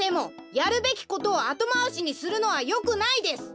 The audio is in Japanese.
やるべきことをあとまわしにするのはよくないです！